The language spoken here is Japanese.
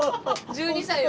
１２歳を？